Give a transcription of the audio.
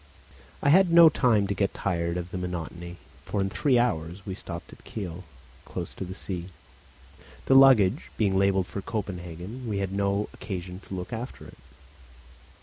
I had no time to get tired of the monotony; for in three hours we stopped at Kiel, close to the sea. The luggage being labelled for Copenhagen, we had no occasion to look after it.